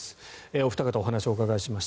お二方、お話をお伺いしました。